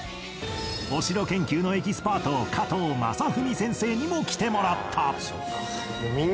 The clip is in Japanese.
お城研究のエキスパート加藤理文先生にも来てもらった